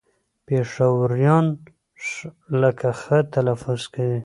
پېښوريان ښ لکه خ تلفظ کوي